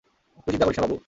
তুই চিন্তা করিস না, বাবু।